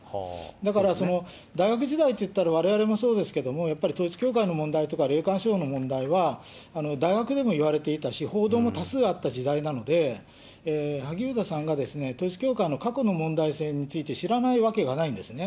だからその大学時代っていったら、われわれもそうですけれども、やっぱり統一教会の問題とか、霊感商法の問題は大学でもいわれていたし、報道も多数あった時代なので、萩生田さんが統一教会の過去の問題性について知らないわけがないんですね。